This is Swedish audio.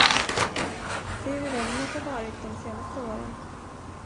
Se hur regnet har varit de senaste åren.